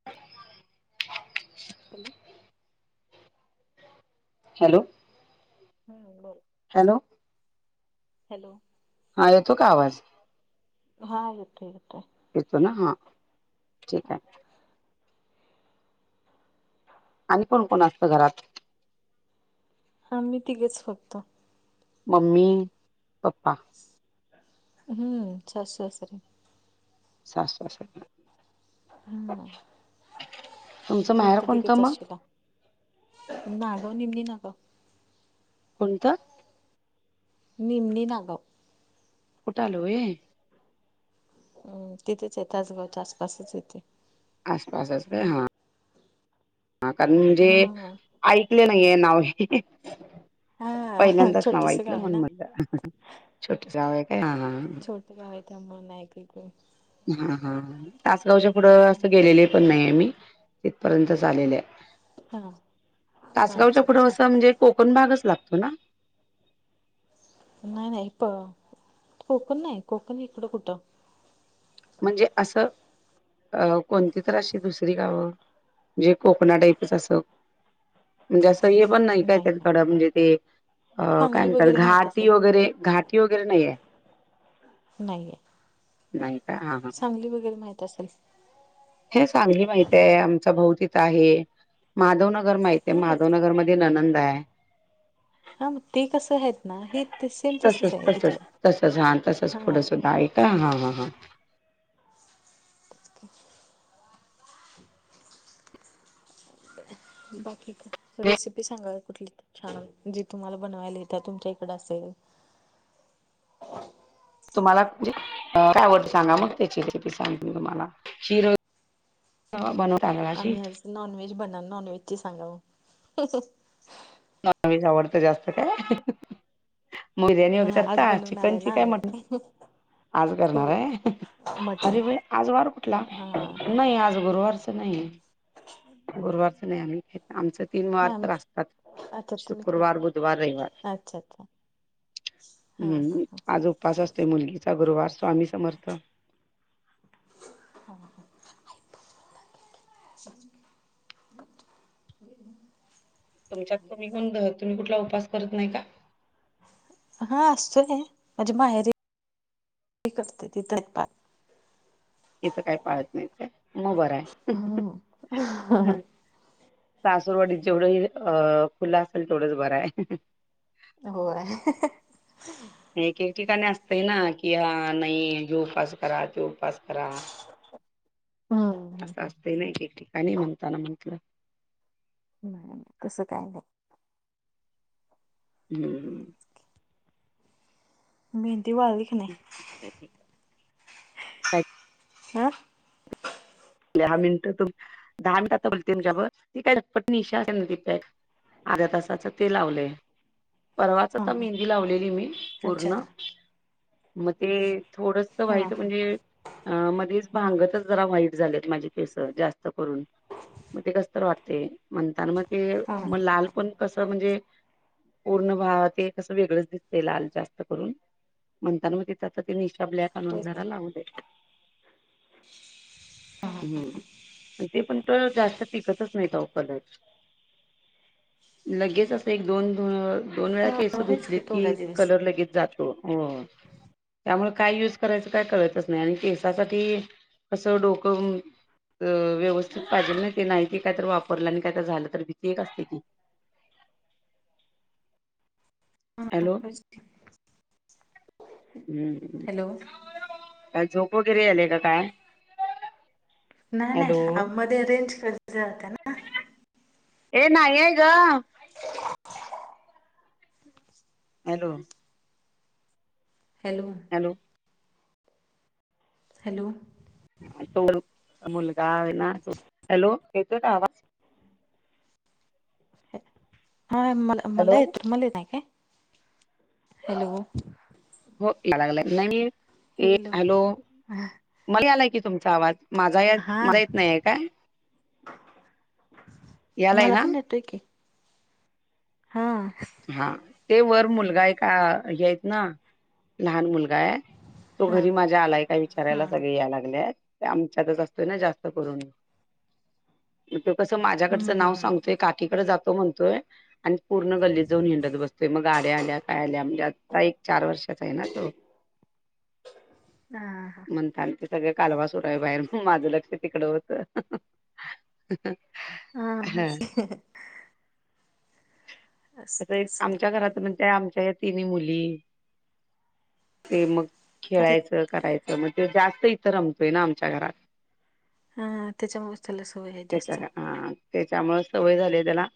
[inaudible] Hello. Hello. हम्म बोल. Hello. Hello. हा येतो का आवाज? हा येतो येतोय. येतो ना हा ठीक हाय. आणि कोण कोण असतं घरात? हामी तिघीच फक्त. मम्मी पप्पा हम्म सासू सासरे सासू असंल ना? हम् तुमचं तुम्ही माहेर हिथं कोणतं तिघीच मग असशीला. नाय दोन्हीनी नाका कोणतं? निमीनी नागव. कुठं आलं हो हे अम तिथेच आहे तासगावच्या आसपासच येतयं. आसपास असतयं हा कारण म्हणजे हा ऐकले ना- ये नाव हे. हा पहिल्यांदाच नाव छोटस ऐकलं गाव आहे म्हणून ना मणलं छोट गाव आहे काय हा हा छोटं गाव हाय त्यामुळे नाही काय कळत. हा हा तासगावच्या पुढं असं गेलेले पण नाही मी तिथपर्यंत आलेले हाय. हा हा तासगावच्या अच्छा पुढं अच्छा असं म्हणजे कोकण भागच लागतो ना. नाही नाही हिथं कोकण नाही कोकण इकडं कुठं. म्हणजे असं अ कोणती तर अशी दुसरी गावं. म्हणजे कोकणा टाईपच असं. म्हणजे असं हे पण नाही काय त्याकडं म्हणजे ते अ काय सांगली म्हणतात वगैरे माहित घाटी असेल वगैरे घाट टी वगैरे नाहीेये. नाईये. नाही. का हा हा सांगली वगैरे माहीत असेल हे सांगली माहित ये. आमचा भाऊ तिथ आहे. माधवनगर माहित ये हा ना ते माधवनगरमध्ये दीना नंदा आय. हा मग ते कसं आहेत ना हे ते सेम तसच, आहे तसच, इथलं तसच हा तसच हा पुढं सुद्धा आहे. ता हा हा हा [unintelligible] बाकी काय, रेसिपी सांगा कुठली त छान, जे तुम्हाला बनवायला येत्या. तुमच्या इकड असेल तुम्हाला म्हजे काय आवडत सांगा मग त्याची रेसिपी सांगते तुम्हाला शिरो कवा बनव [unintelligible] का अशी नॉनवेज बनण. नॉनवेज ची सांगा ओ नॉनवेज आवडत जास्त काय? बिर्यानी वगैरे हा आज करता. बनवणार आहे चिकनची ना काय मटण आम्ही - आज करणार हो ये, मटन अरे भाई आज वार कुठला? हा नाही आज गुरुवारच नाही. गुरुवारच नाही आम्ही खाईत. आमच तीन वार तर नाही असतात. अच्छा तुम्ही खात शुक्रवार, बुधवार, रयवार अच्छा अच्छा हा हा हूं आज उपास असतोय. मुलगीचा गुरुवार स्वामी समर्थ. हा हा [unintelligible] तुमच्यात, तुम्हीपण दह, तुम्ही कुठला उपास करत नाही का? हा असतो की, माझे माझी माहेरी [unintelligible] ति करतात. इथं काय पाळत नाहीत काय म बरय हम्म सासूरवाडीत जेवढं ये, अ खुल असेल तेवढंच बर आय होय. एक एक ठिकाणी असतय ना की हा नाही ह्यो उपास करा. त्यो उपास करा हम्म असं हम्म असतय न एक एक ठिकाणी म्हणताना म्हंटलं तस काय नाय. हम्मं मेहंदी वाळली. की नाही [unintelligible] काय [unintelligible] दहा मिनिट तुम, दहा मिनट आता बोलते तूमच्या वर ती काय पटपट निशा असेल णा तिथे अर्ध्या तासाच ते लावलय. परवाच हां आता हां मेहंदी लावलेली मी अच्छा पूर्ण का म ते थोडस हां वाईट हां म्हणजे अ मध्येच भांगतच जरा व्हाईट झालेत. माझी केस जास्त करून म ते कसतर वाटतय म्हणता न म ते हां म लाल पण कसं म्हणजे पूर्ण भा ते कसं वेगळच दिसतेय. लाल जास्त करून म्हणता न म तिथ आता ती निशा ब्लॅक आणून होय का जरा लावलय. हम्म. आणि ते पण त जास्त टिकतच नाहीत आहो कलर. लगेच असं एक दोन धुन दोन वेळा केस हां होयच धुतली की थोडा दिवस कलर लगेच जातो. हो त्यामुळ काय युज करायचं काय कळतच नाय आणि केसासाठी कसं डोकं व्यवस्थित पाहिजे ना, ते नाही ते कायतरं वापरलं आणि काय तर झालं तर भीती एक असते ती हां हॅलो, होयच की हम्म, हं हॅलो काय झोप वगैरे यालीय का काय? नाही- हॅलो नाही आओ मध्ये रेंज जाते ना. ये नाही ये गं हॅलो, हॅलो, हॅलो, हॅलो, तुम्हाला तर मुलगा आहे ना? तो हॅलोे येतोय का आवाज? हा मला हॅलो मला ये, येतं आहे. हो या लागलाय, नाही मी ते हॅलो, मला आलाय की तुमचा आवाज माझा यात, हा माझा येत नाहीय काय? यायलाय ना. येते की हा, हा ते वर मुलगा आहे का? हेत ना लहान मुलगा आहे, तो हा घरी माझ्या आलाय काय हा विचारायला सगळे यायला लागले. तो आमच्याकडंच असतोय ना जास्त करून. तो कसं हम्म माझ्याकडचं हम्म नाव हम्म सांगतोय काकीकडे जातो म्हणतोय, आन् पूर्ण गल्लीत जाऊन हिंडत बसतोय, मग गाड्या आल्या, काय आल्या म्हणजे आता एक चार वर्षाचा आहे ना तो. [inaudible] हा- हा. म्हणताना ते सगळं कालवा सुरू आहे बाहेर, माझं लक्ष तिकडं होतं. हा ह हा होयच [unintelligible] की असं असुदे ये असुदे आमच्या घरात म्हणजे आमच्या या तिन्ही मुली ते मग हा ते खेळायचं करायचं, मग ते जास्त इथं रमतोय ना आमच्या घरात. हा त्याच्यामुळेच त्याला सवय आहे त्याच्या, जास्त हा त्याच्यामुळे सवय झाली ये त्याला,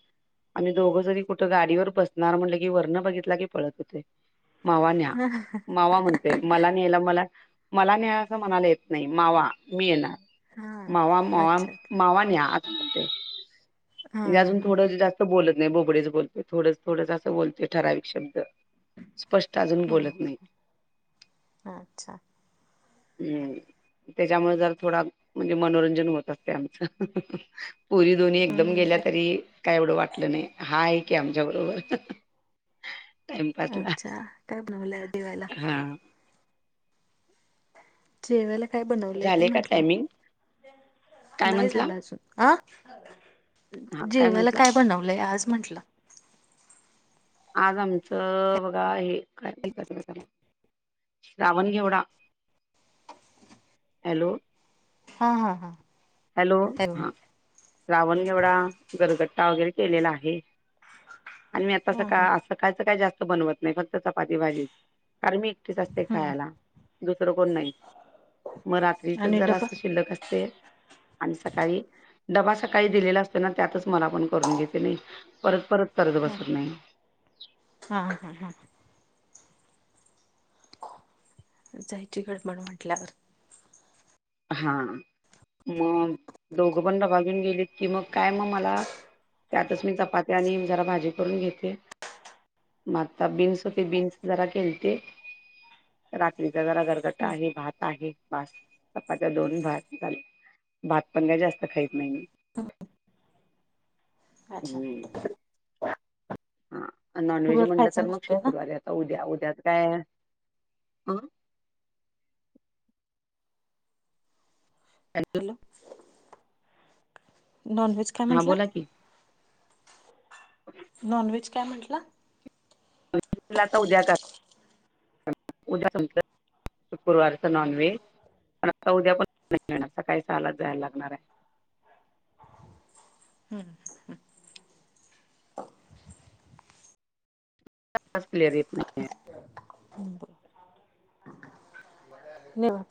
आम्ही दोघं जरी कुठं गाडीवर तो बसणारा म्हटलं की वरण बघतलं की पळत येतोय, मावा न्या, मावा म्हण ते मला नेयला मला, मला न्या असं म्हणायला येत नाही, मावा मी येणार. हा मावा -मावा, अच्छा अच्छा मावा न्या हा म्हणजे अजून हा थोडं जास्त बोलत नाही, बोबडेच बोलतोय. थोडस, थोडंस असं बोलतो ठराविक शब्द. स्पष्ट अजून बोलत हा नाही. अच्छा हम्, त्याच्यामुळे जर थोडा म्हणजे मनोरंजन होत असते आमचं. पोरी दोन्ही एकदम हम्म गेल्या आत- तरी काय एवढं वाटलं नाही, हा आहे की आमच्या बरोबर. टाइमपासला अच्छा, काय बनवलंय जेवायला? हा जेवायला काय बनवले ते झाले का म्हंटलं? टायमिंग काय नाही म्हंटला झालं अजून, अं हा जेवायला म्हंटला काय बनवलंय आज म्हटलं? आज आमचं बघा हे काय म्हणतात त्याला, श्रावण घेवढा. हॅलो, हा, हा, हा. हॅलो, हा श्रावण घेवडा, गरगट्टा वगैरे केलेला आहे. आणि मी आता हा हा सकाळी च काय जास्त बनवत नाही ना चपाती भाजीच कारण मी एकटीच असते, हम्म खायला दुसर कोण नाही म रात्रीच आणि डब्बा जरास शिल्लक असते आणि सकाळी डबा सकाळी दिलेला असतो ना, त्यातच मला पण करून घेते की नाही परत परत करत हा बसत नाही. हा हा हा. जायची गडबड म्हंटल्यार वर हा, मग दोघं पण डबा घेऊन गेलेत की मग काय म मला त्यातच मी चपात्या आणि जरा भाजी करून घेते. म आता बीन्स होते बीन्स जरा केलते रात्रीचा जरा [unintelligible] [unintelligible] भात आहे बास. चपात्या दोन भात झाल भात पण काही जास्त खाईत नाही मी. अच्छा. हम्म हा नॉनव्हेज वर म्हटलं तर खायचं मग नसतंय ना शुक्रवारी आता उद्या उद्यात काय, अ हॅलो नॉनव्हेज काय हां म्हंटला बोला की [inaudible] नॉनव्हेज काय म्हटलं? [unintelligible] उद्या म्हटलं, शुक्रवारच नॉनव्हेज पण आता उद्या पण येणार सकाळी सहालाच जायला लागणारये. हम्म. आवाज क्लियर येत नाहीये. हम्म.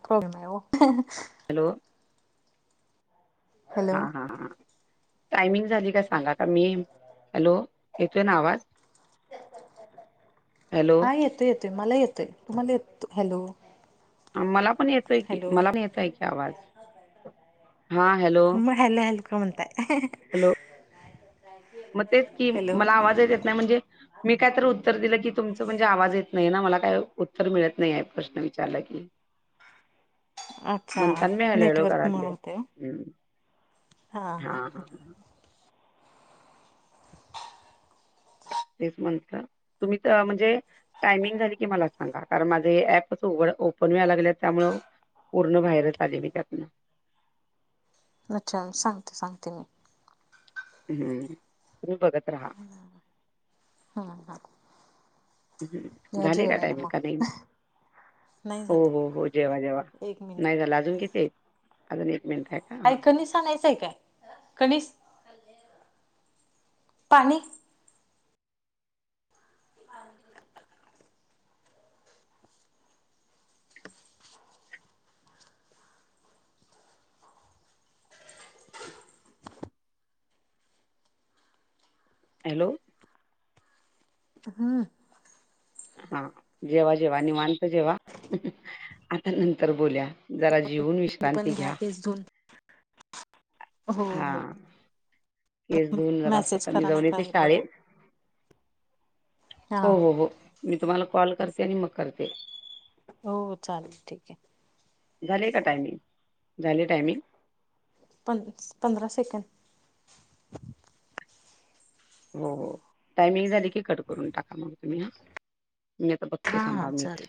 हो, [unintelligible] हॅलो. हा हॅलो हा टायमिंग झाली का सांगा, का मी हॅलो येतो ना आवाज हॅलो हा येतोय येतोय मला येतंय, तुम्हाला येतेय हॅलो मला पण येतोय की हॅलो मला पण येतोय की आवाज, हा हॅलो मग हॅलो हॅलो, काय म्हणताय हॅलो मग तेच कि हॅलो मला आवाजच येत नाय म्हणजे मी कायतरी उत्तर दिलं की तुमचं म्हणजे आवाज येत नाही ना मला काय उत्तर मिळत नाही आहे प्रश्न विचारला की अच्छा म्हणतान मी हॅलो हॅलो नेटवर्क मुळ करायले, होतय ओ हम्म. हा हा हा. तेच म्हटलं तुम्ही त अ म्हणजे टायमिंग झाली की मला सांगा कारण माझे हे ऍपच उघड ओपन व्हाय लागले त्यामुळ पूर्ण बाहेरच आली मी त्यातनं अच्छा सांगते सांगते मी. हम्म तुम्ही बघत रहा. हा हा. हम्म, या झाले का जेवायला टाईम मग का नाही? नाही हो हो झालं हो जेवा जेवा एक मिनिट नाही झालं, अजून कितीयेत अजून एक मिनटं हायं आई कनिस आणायचंय काय, कनिस पाणी [unintelligible] हॅलो हम्म. हां जेवा जेवा निवांत जेवा. आता नंतर बोलुया. जरा जेवून विश्रांती घ्या. केस धुवून हो हा हो. केस धुऊन जरास, मेसेज आता मी करा नाही जाऊन येते काय बघा शाळेत हा हो हो हो, मी तुम्हाला कॉल करते. आणि मग करते. हो चालेलं ठीक ये झाले का टायमिंग, झाले टायमिंग पन पंधरा सेकंद हो हो, टायमिंग झाली की, कट करून टाका मग तुम्ही हा मी आता बघते हा हा थांबा मी चालेल